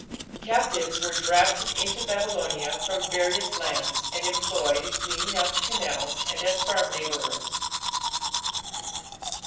Captives were drafted into Babylonia from various lands, and employed cleaning out the canals and as farm labourers.